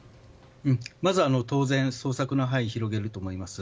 まずは当然、捜索の範囲を広げると思います。